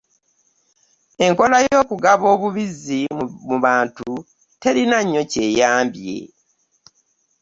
Enkola y'okugaba obubizzi mu bantu terina nnyo ky'eyambye.